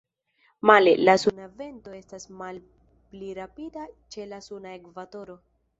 Male, la suna vento estas malpli rapida ĉe la suna ekvatoro.